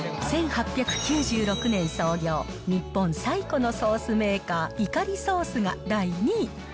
１８９６年創業、日本最古のソースメーカー、イカリソースが第２位。